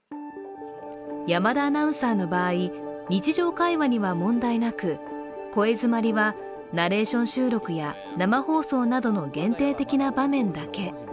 山田アナウンサーの場合、日常会話には問題なく、声詰まりはナレーション収録や生放送などの限定的な場面だけ。